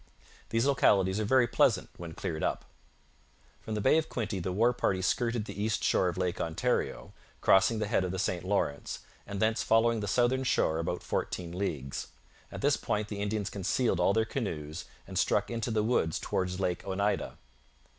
These localities are very pleasant when cleared up.' From the Bay of Quinte the war party skirted the east shore of Lake Ontario, crossing the head of the St Lawrence, and thence following the southern shore about fourteen leagues. At this point the Indians concealed all their canoes and struck into the woods towards Lake Oneida.